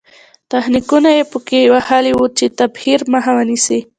تخنیکونه یې په کې وهلي وو چې تبخیر مخه ونیسي.